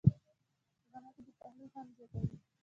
په غرمه کې د پخلي خوند زیات وي